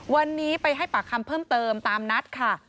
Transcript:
วันนี้ไปให้ปากคำเพิ่มเติมตามนัดค่ะ